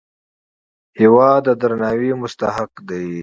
هېواد د درناوي مستحق دی.